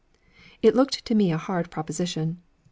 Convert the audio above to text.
It looked to me a hard proposition.